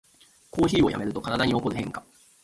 コーヒーをやめると体に起こる変化